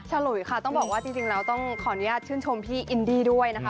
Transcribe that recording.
ฉลุยค่ะต้องบอกว่าจริงแล้วต้องขออนุญาตชื่นชมพี่อินดี้ด้วยนะคะ